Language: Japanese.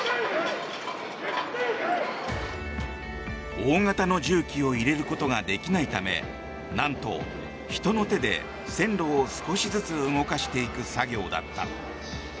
大型の重機を入れることができないためなんと人の手で、線路を少しずつ動かしていく作業だった。